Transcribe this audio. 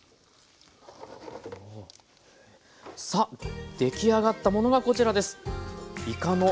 さあ出来上がったものがこちらです。